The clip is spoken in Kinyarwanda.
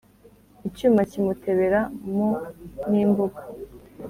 Icyuma kimutebera mo n'imbuga